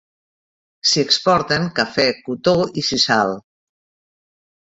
S'hi exporten cafè, cotó, i sisal.